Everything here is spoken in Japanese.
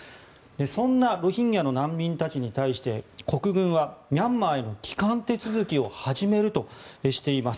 そんなロヒンギャの難民たちに対して国軍はミャンマーへの帰還手続きを始めるとしています。